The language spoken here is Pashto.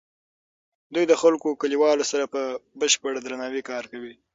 دوی د خپلو کلیوالو سره په بشپړ درناوي کار کوي.